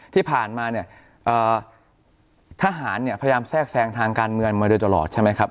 ที่ผ่านมาเนี่ยทหารเนี่ยพยายามแทรกแทรงทางการเมืองมาโดยตลอดใช่ไหมครับ